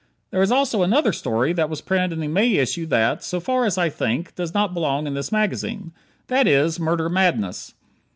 There is also another story that was printed in the May issue that, so far as I think, does not belong in this magazine: that is, "Murder Madness."